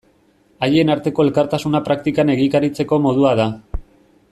Haien arteko elkartasuna praktikan egikaritzeko modua da.